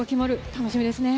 楽しみですね。